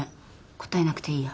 答えなくていいや。